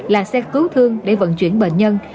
là xe cứu thương để vận chuyển bệnh nhân